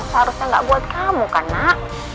seharusnya gak buat kamu kan nak